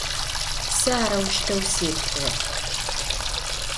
Сэ арэущтэу сеплъырэп.